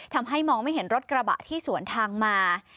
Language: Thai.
ทำให้มองไม่เห็นรถกระบะที่สวนทางมา